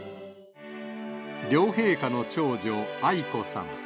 両陛下の長女、愛子さま。